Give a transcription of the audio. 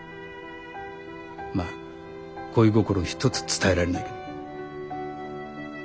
まあ恋心一つ伝えられないけど。